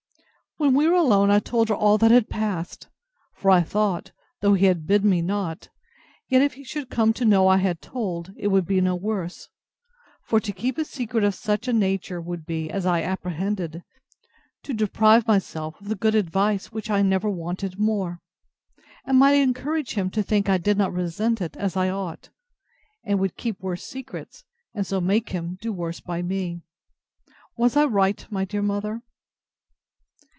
When we were alone, I told her all that had passed; for I thought, though he had bid me not, yet if he should come to know I had told, it would be no worse; for to keep a secret of such a nature, would be, as I apprehended, to deprive myself of the good advice which I never wanted more; and might encourage him to think I did not resent it as I ought, and would keep worse secrets, and so make him do worse by me. Was I right, my dear mother?